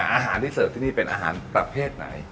อาหารที่เสิร์ฟที่นี่เป็นอาหารประเภทไหน